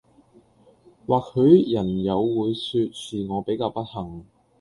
或許人有會說是我比較不幸